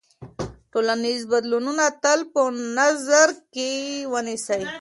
ټولنیز بدلونونه تل په نظر کې ونیسئ.